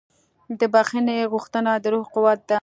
د بښنې غوښتنه د روح قوت ده.